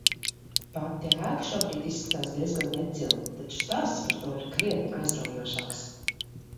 Pati ēka šobrīd izskatās diezgan necila, taču stāsts par to ir krietni aizraujošāks.